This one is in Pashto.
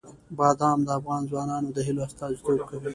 بادام د افغان ځوانانو د هیلو استازیتوب کوي.